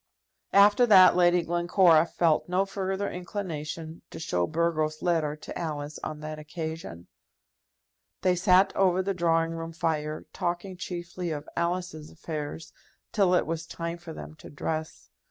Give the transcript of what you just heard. After that, Lady Glencora felt no further inclination to show Burgo's letter to Alice on that occasion. They sat over the drawing room fire, talking chiefly of Alice's affairs, till it was time for them to dress.